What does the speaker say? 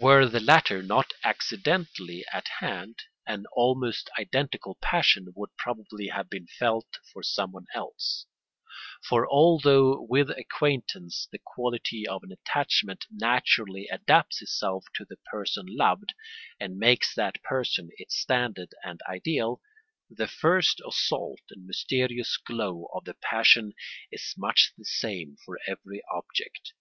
Were the latter not accidentally at hand, an almost identical passion would probably have been felt for someone else; for although with acquaintance the quality of an attachment naturally adapts itself to the person loved, and makes that person its standard and ideal, the first assault and mysterious glow of the passion is much the same for every object.